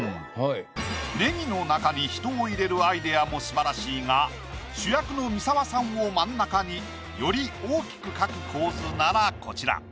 ネギの中に人を入れるアイデアも素晴らしいが主役の三沢さんを真ん中により大きく描く構図ならこちら。